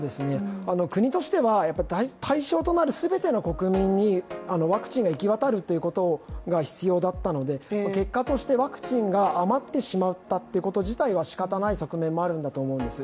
国としては、対象となる全ての国民にワクチンが行き渡るということが必要だったので、結果としてワクチンが余ってしまったということ自体はしかたない側面もあるんだと思うんです。